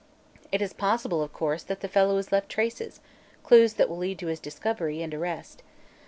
It is possible, of course, that the fellow has left traces clues that will lead to his discovery and arrest.